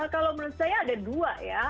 kalau menurut saya ada dua ya